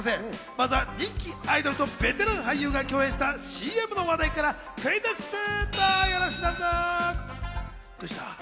まずは人気アイドルとベテラン俳優が共演したＣＭの話題からクイズッス！